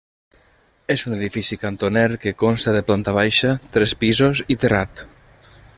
És un edifici cantoner que consta de planta baixa, tres pisos i terrat.